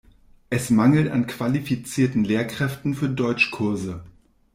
Es mangelt an qualifizierten Lehrkräften für Deutschkurse.